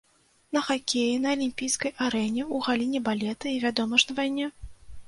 На хакеі, на алімпійскай арэне, у галіне балета і, вядома ж, на вайне.